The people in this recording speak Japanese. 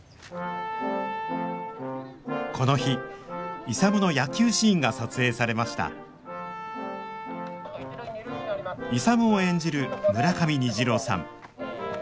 この日勇の野球シーンが撮影されました勇を演じる村上虹郎さん